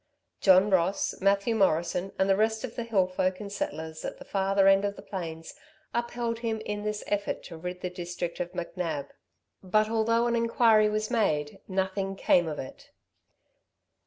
John Ross, Mathew Morrison, and the rest of the hill folk and settlers at the farther end of the plains, upheld him in this effort to rid the district of McNab; but although an inquiry was made, nothing came of it.